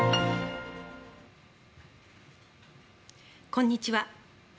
こんにちは。